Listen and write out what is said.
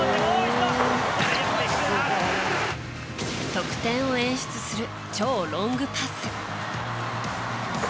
得点を演出する超ロングパス。